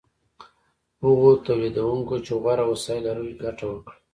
هغو تولیدونکو چې غوره وسایل لرل ګټه وکړه.